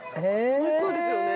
おいしそうですよね。